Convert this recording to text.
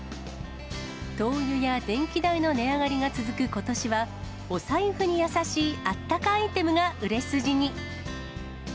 灯油や電気代の値上がりが続くことしは、お財布に優しいあったかアイテムが売れ筋に。